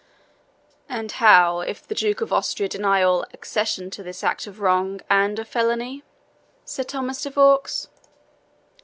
"And how if the Duke of Austria deny all accession to this act of wrong and of felony?" said Thomas de Vaux.